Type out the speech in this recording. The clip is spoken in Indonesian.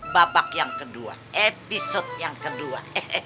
babak yang kedua episode yang kedua